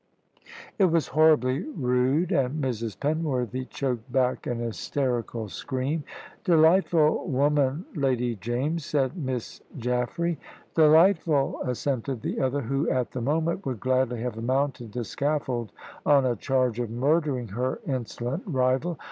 It was horribly rude, and Mrs. Penworthy choked back an hysterical scream. "Delightful woman, Lady James," said Miss Jaffray. "Delightful," assented the other, who at the moment would gladly have mounted the scaffold on a charge of murdering her insolent rival.